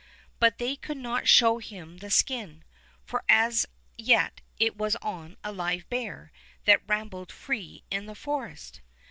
But they could not show him the skin, for as yet it was on a live bear that rambled free in the forest.